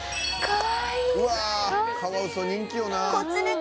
カワウソ人気よな」